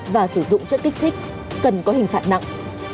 và sử dụng chất kích thích cần có hình phạt nặng